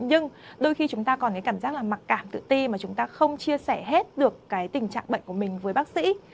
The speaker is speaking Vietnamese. nhưng đôi khi chúng ta còn cái cảm giác là mặc cảm tự ti mà chúng ta không chia sẻ hết được cái tình trạng bệnh của mình với bác sĩ